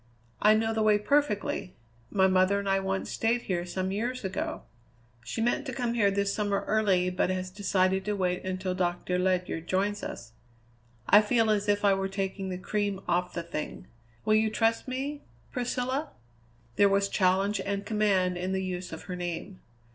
I know the way perfectly; my mother and I once stayed here some years ago. She meant to come here this summer early, but has decided to wait until Doctor Ledyard joins us. I feel as if I were taking the cream off the thing. Will you trust me Priscilla?" There was challenge and command in the use of her name.